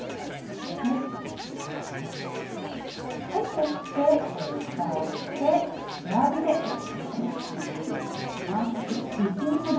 そしてふたをして弱火で蒸します。